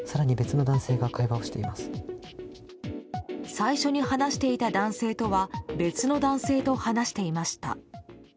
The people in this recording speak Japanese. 最初に話していた男性とは別の男性と話していました。